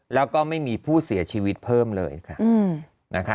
แล้วก็ไม่มีผู้เสียชีวิตเพิ่มเลยค่ะ